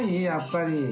やっぱり。